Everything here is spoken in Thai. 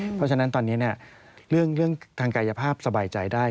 เพราะฉะนั้นตอนนี้เรื่องทางกายภาพสบายใจได้